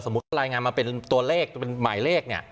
สมมุติรายงานมาเป็นตัวเลขเป็นหมายเลข